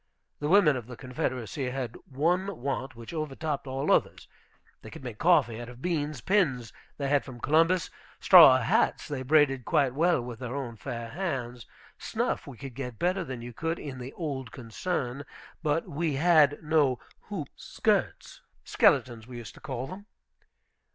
The women of the Confederacy had one want, which overtopped all others. They could make coffee out of beans; pins they had from Columbus; straw hats they braided quite well with their own fair hands; snuff we could get better than you could in "the old concern." But we had no hoop skirts, skeletons, we used to call them.